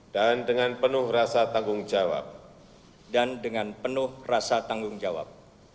dan dengan penuh rasa tanggung jawab